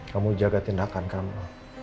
kamu jaga tindakan kamu